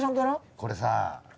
これさあ